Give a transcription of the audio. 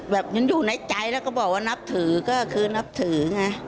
ยังอยู่ในใจแล้วก็บอกว่านับถือก็คือนับถือไง